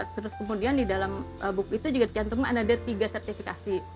terus kemudian di dalam buku itu juga dicantumkan ada tiga sertifikasi